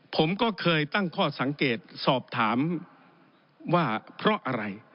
ผมก็เคยตั้งข้อสังเกตสอบถามว่าเพราะอะไร